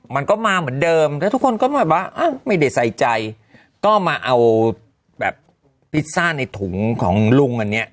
มันก็มาเหมือนเดิมแล้วทุกคนก็แบบว่าไม่ได้ใส่ใจก็มาเอาแบบพิซซ่าในถุงของลุงอันเนี้ย